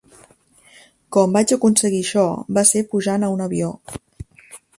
Com vaig aconseguir això, va ser pujant a un avió.